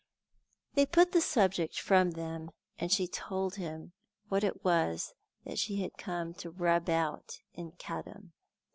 They put the subject from them, and she told him what it was that she had come to rub out in Caddam.